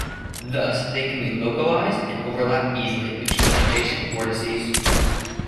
Thus they can be delocalized and overlap easily between adjacent vortices.